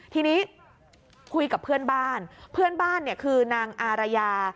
ทีนี้คุยกับเพื่อนบ้านเพื่อนบ้านเนี่ยคือนางอารยา